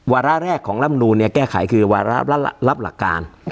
วาระแรกของลำนูนแก้ไขคือวาระรับหลักการ